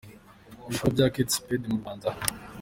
Ibikorwa bya Kate Spade mu Rwanda.